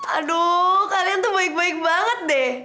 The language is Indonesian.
aduh kalian tuh baik baik banget deh